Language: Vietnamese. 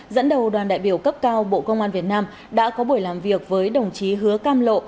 dẫn đầu đoàn đại biểu cấp cao bộ công an việt nam đã có buổi làm việc với đồng chí hứa cam lộ